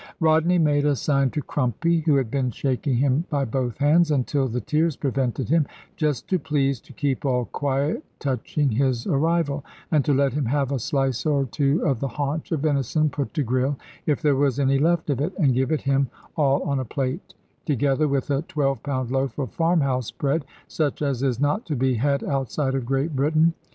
Rodney made a sign to Crumpy (who had been shaking him by both hands, until the tears prevented him), just to please to keep all quiet touching his arrival; and to let him have a slice or two of the haunch of venison put to grill, if there was any left of it, and give it him all on a plate: together with a twelve pound loaf of farmhouse bread, such as is not to be had outside of Great Britain.